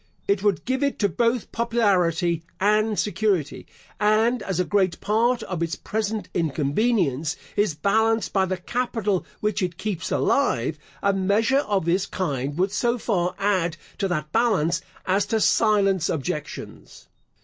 It would give to it both popularity and security, and as a great part of its present inconvenience is balanced by the capital which it keeps alive, a measure of this kind would so far add to that balance as to silence objections.